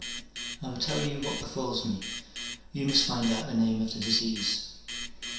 I will tell you what befalls me, you must find out the name of the disease.